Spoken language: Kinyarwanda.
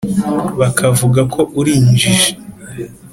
Bakavuga ko uri injiji